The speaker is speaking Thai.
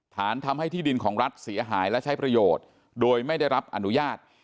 ฐานทำให้ที่ดินของรัฐเสียหายและใช้ประโยชน์โดยไม่ได้รับอนุญาต